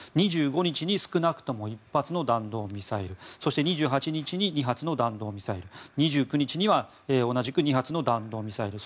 ２５日に少なくとも１発の弾道ミサイルそして、２８日に２発の弾道ミサイル２９日には同じく２発の弾道ミサイル